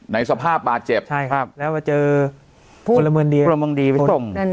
ในสภาพบาดเจ็บใช่ครับแล้วมาเจอพลเมืองดีพลเมืองดีไปส่ง